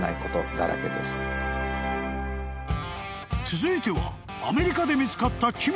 ［続いてはアメリカで見つかった奇妙なもの］